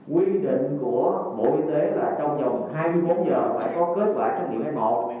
quy định của bộ y tế là trong vòng hai mươi bốn giờ phải có kết quả xét nghiệm f một